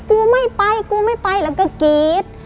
กูไม่ไปกูไม่ไปแล้วก็กรี๊ด